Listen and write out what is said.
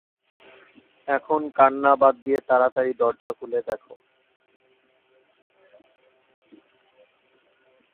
এখন কান্না বাদ দিয়ে তাড়াতাড়ি দরজা খুলে দেখো!